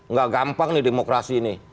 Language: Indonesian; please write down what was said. nggak gampang nih demokrasi ini